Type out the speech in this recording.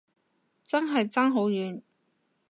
真係爭好遠